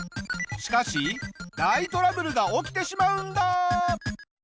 しかし大トラブルが起きてしまうんだ。